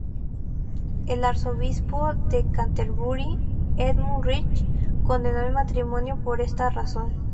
El arzobispo de Canterbury, Edmund Rich, condenó el matrimonio por esta razón.